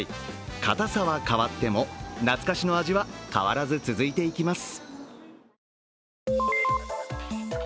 かたさは変わっても、懐かしの味は変わらず続いていきます。